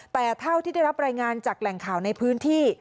แต่เท่าที่ได้รับรายงานจากแหล่งข่าวในพื้นที่